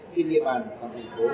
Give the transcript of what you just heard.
trên địa bàn hà nội